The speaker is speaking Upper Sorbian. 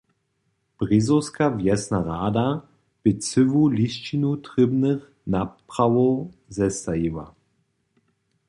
Brězowska wjesna rada bě cyłu lisćinu trěbnych naprawow zestajiła.